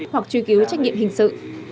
hoặc truy cứu trách nhiệm hình sự